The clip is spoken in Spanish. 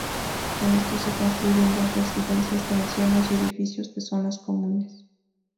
Con esto se construyen dos residencias de ancianos y edificios de zonas comunes.